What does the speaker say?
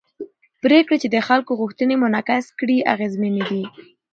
پرېکړې چې د خلکو غوښتنې منعکس کړي اغېزمنې دي